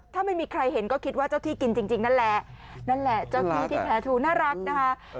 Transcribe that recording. ถ้าไม่มีใครเห็นก็คิดว่าเจ้าที่กินจริงนั่นแหละนั่นแหละเจ้าที่ที่แท้ทูน่ารักนะคะ